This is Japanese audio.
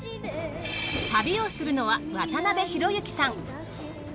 旅をするのは渡辺裕之さん。